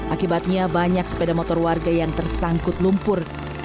akibatnya banyak sepeda motor warga yang tersangkut lumpur